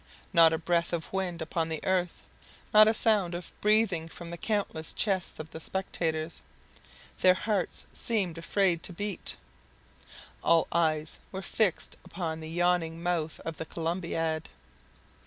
Not a breath of wind upon the earth! not a sound of breathing from the countless chests of the spectators! Their hearts seemed afraid to beat! All eyes were fixed upon the yawning mouth of the Columbiad.